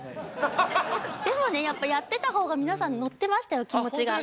でもねやっぱやってた方が皆さん乗ってましたよ気持ちが。